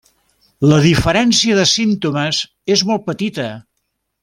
La diferència de símptomes és molt petita.